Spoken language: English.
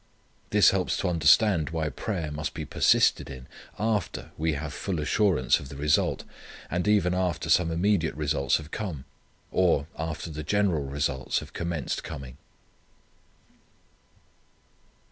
This helps to understand why prayer must be persisted in after we have full assurance of the result, and even after some immediate results have come, or, after the general results have commenced coming.